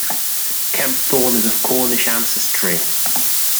Kempthorne is of Cornish ancestry.